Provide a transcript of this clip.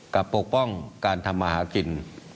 ปกป้องการทำมาหากิน